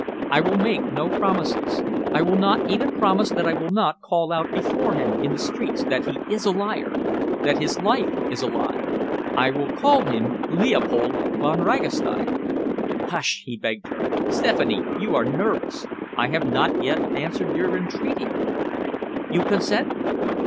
I will make no promises. I will not even promise that I will not call out before him in the streets that he is a liar, that his life is a lie. I will call him Leopold Von Ragastein " "Hush!" he begged her. "Stephanie, you are nervous. I have not yet answered your entreaty." "You consent?"